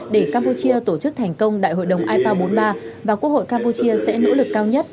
để campuchia tổ chức thành công đại hội đồng ipa bốn mươi ba và quốc hội campuchia sẽ nỗ lực cao nhất